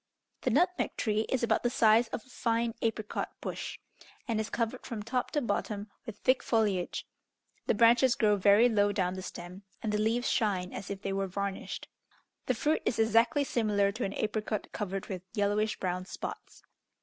The nutmeg tree is about the size of a fine apricot bush, and is covered from top to bottom with thick foliage; the branches grow very low down the stem, and the leaves shine as if they were varnished. The fruit is exactly similar to an apricot covered with yellowish brown spots.